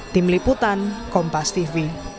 tim liputan kompas tv